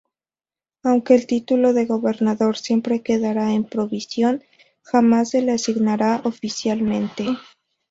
Aunque el título de gobernador siempre quedará en provisión: jamás se le asignará oficialmente.